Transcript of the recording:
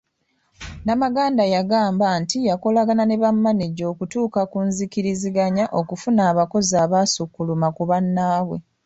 Namaganda yagamba nti yakolagana ne bamaneja okutuuka ku nzikiriziganya okufuna abakozi abaasukkuluma ku bannaabwe.